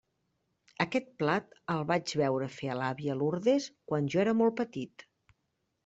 Aquest plat el vaig veure fer a l'àvia Lourdes quan jo era molt petit.